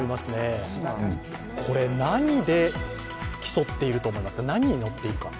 これ、何で競っていると思いますか、何に乗っているか。